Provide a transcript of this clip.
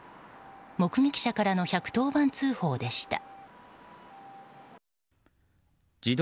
目撃者からの１１０番通報でした。